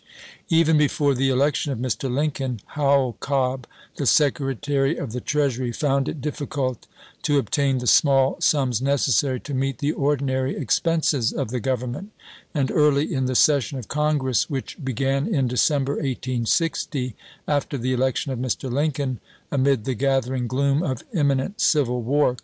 Even before the election of Mr. Lincoln, Howell Cobb, the Secretary of the Treasury, found it difficult to obtain the small sums necessary to meet the ordinary expenses of the Government, and early in the session of Congress which began in Decem ber, 1860, after the election of Mr. Lincoln, amid the gathering gloom of imminent civil war.